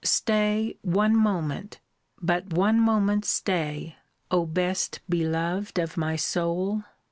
Stay, one moment but one moment stay, O best beloved of my soul!